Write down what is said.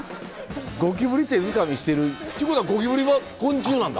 ゴキブリ手づかみしてる。ってことはゴキブリは昆虫なんだ。